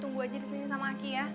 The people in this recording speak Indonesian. tunggu aja disini sama aki ya